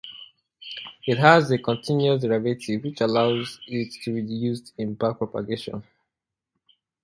It has a continuous derivative, which allows it to be used in backpropagation.